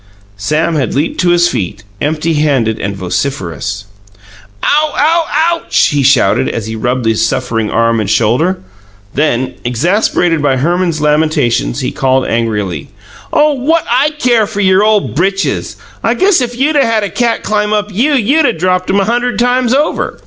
Sam had leaped to his feet, empty handed and vociferous. "Ow ow, OUCH!" he shouted, as he rubbed his suffering arm and shoulder. Then, exasperated by Herman's lamentations, he called angrily: "Oh, what I care for your ole britches? I guess if you'd 'a' had a cat climb up YOU, you'd 'a' dropped 'em a hunderd times over!"